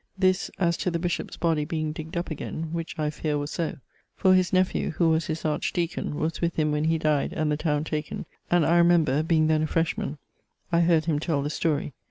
This, as to the bishop's body being digged up again, which I feare was so: for his nephew who was his archdeacon, was with him when he dyed and the towne taken, and I remember, being then a fresh man, I heard him tell the story.